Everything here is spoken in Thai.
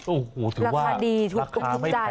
โอ้โหราคาดีถูกคุ้มใจ